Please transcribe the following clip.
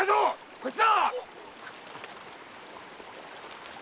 こっちだ！